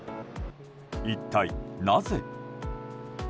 一体なぜ。